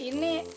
di mana sih